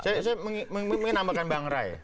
saya mau menambahkan bang rey